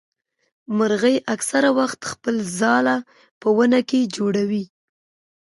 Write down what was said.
مرغۍ اکثره وخت خپل ځاله په ونه کي جوړوي.